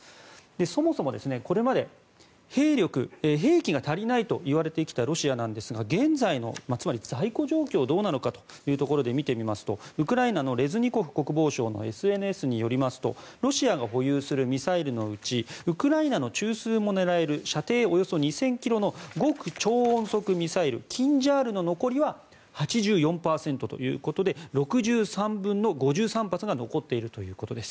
そもそもこれまで兵力、兵器が足りないといわれてきたロシアなんですが現在のつまり在庫状況はどうなのかというところで見てみますと、ウクライナのレズニコフ国防相のＳＮＳを見ますとロシアが保有するミサイルのうちウクライナの中枢も狙える射程およそ２０００ｋｍの極超音速ミサイルキンジャールの残りは８４％ということで６３分の５３発が残っているということです。